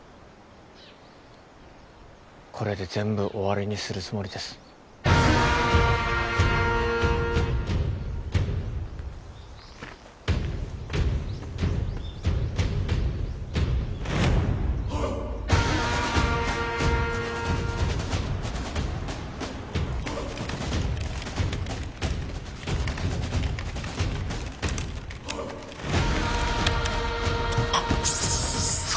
これで全部終わりにするつもりですあっクッソ！